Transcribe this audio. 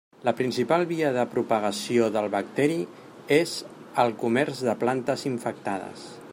La principal via de propagació del bacteri és el comerç de plantes infectades.